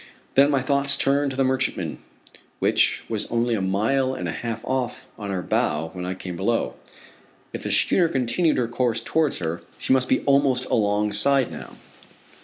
Then my thoughts turn to the merchantman, which was only a mile and a half off, on our bow, when I came below. If the schooner continued her course towards her, she must be almost alongside now.